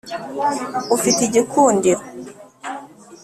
ufite igikundiro.